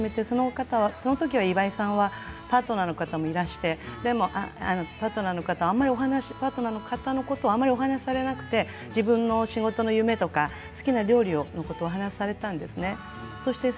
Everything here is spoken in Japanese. その時は岩井さんはパートナーの方もいらしてパートナーの方のことはあまりお話されなくて自分の仕事の夢とか好きな料理のことを話されたんですね。